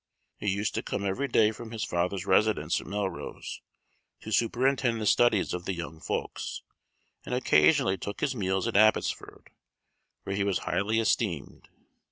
He used to come every day from his father's residence at Melrose to superintend the studies of the young folks, and occasionally took his meals at Abbotsford, where he was highly esteemed.